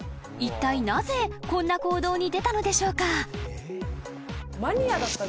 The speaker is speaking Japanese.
［いったいなぜこんな行動に出たのでしょうか？］